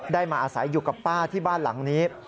มาอาศัยอยู่กับป้าที่บ้านหลังนี้